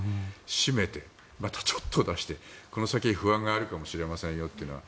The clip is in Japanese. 閉めて、またちょっと出してこの先不安があるかもしれませんよっていうのは